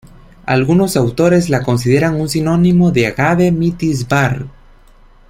Algunos autores la consideran un sinónimo de "Agave mitis var.